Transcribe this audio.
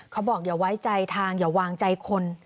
เขาบอกอย่าไว้ใจทางอย่าวางใจคน